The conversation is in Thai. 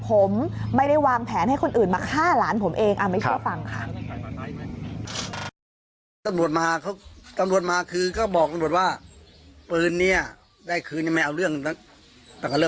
ผมไม่ได้วางแผนให้คนอื่นมาฆ่าหลานผมเองไม่เชื่อฟังค่ะ